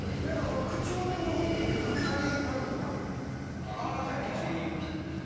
口元の雰囲気見るときゃりぱむぱみゅ。